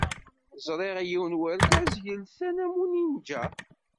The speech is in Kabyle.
Ẓriɣ yiwen n wergaz yelsan am uninja.